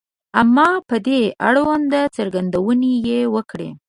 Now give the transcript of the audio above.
• اما په دې اړوند څرګندونې یې وکړې.